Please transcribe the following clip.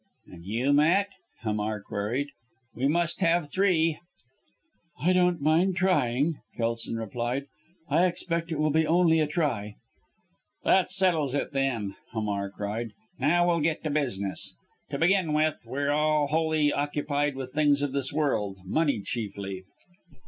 "And you, Matt?" Hamar queried. "We must have three." "I don't mind trying," Kelson replied. "I expect it will be only a try." "That settles it, then!" Hamar cried. "Now, we'll get to business. To begin with we're all wholly occupied with things of this world money chiefly!"